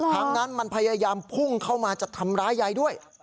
ทั้งนั้นมันพยายามพุ่งเข้ามาจะทำร้ายยายด้วย